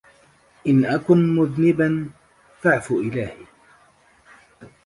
إن أكن مذنبا فعفو إلهي